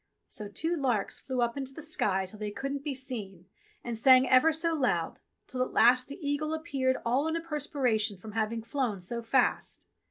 So two larks flew up into the sky till they couldn't be seen and sang ever so loud, till at last the eagle appeared all in a perspiration from having flown, so fast.